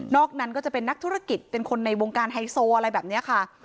นั้นก็จะเป็นนักธุรกิจเป็นคนในวงการไฮโซอะไรแบบนี้ค่ะ